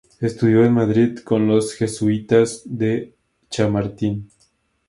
Estudió en Madrid, con los jesuitas de Chamartín.